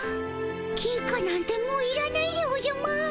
金貨なんてもういらないでおじゃマーン。